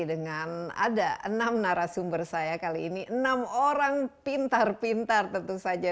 dengan ada enam narasumber saya kali ini enam orang pintar pintar tentu saja